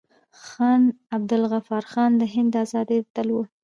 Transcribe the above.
خان عبدالغفار خان د هند د ازادۍ اتل و.